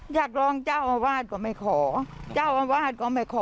อยากร้องเจ้าอาวาสก็ไม่ขอเจ้าอาวาสก็ไม่ขอ